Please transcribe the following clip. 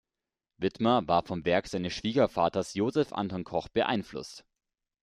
Wittmer war vom Werk seines Schwiegervaters Joseph Anton Koch beeinflusst.